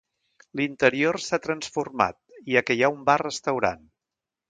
L'interior s'ha transformat, ja que hi ha un bar-restaurant.